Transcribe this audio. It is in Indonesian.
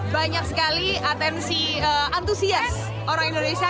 banyak sekali atensi antusias orang indonesia